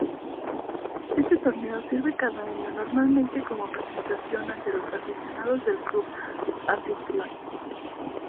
Este torneo sirve cada año normalmente como presentación ante los aficionados del club anfitrión.